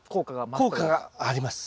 効果があります。